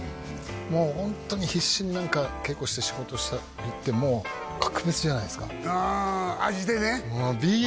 もうホントに必死に稽古して仕事した日ってもう格別じゃないですかうん味でね